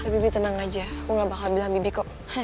bibi tenang aja aku gak bakal bilang bibi kok